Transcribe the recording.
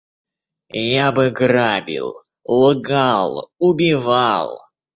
Я бы грабил, лгал, убивал.